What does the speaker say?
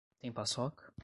Tem paçoca?